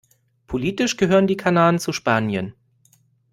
Politisch gehören die Kanaren zu Spanien.